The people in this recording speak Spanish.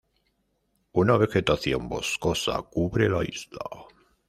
Una vegetación boscosa cubre la isla.